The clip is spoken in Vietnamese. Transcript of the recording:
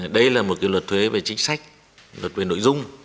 đây là một luật thuế về chính sách luật về nội dung